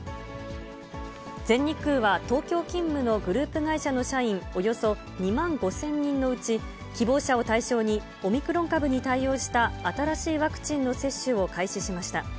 全日空は、東京勤務のグループ会社の社員およそ２万５０００人のうち、希望者を対象に、オミクロン株に対応した新しいワクチンの接種を開始しました。